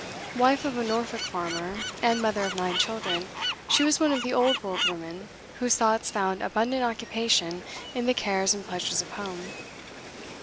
Wife of a Norfolk farmer, and mother of nine children, she was one of the old world women whose thoughts found abundant occupation in the cares and pleasures of home.